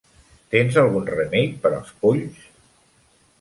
Tens algun remei per als polls?